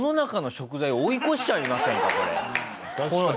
確かに。